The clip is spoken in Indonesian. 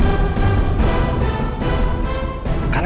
kamu akan berhentikan seolah olah kewakilan setelah saja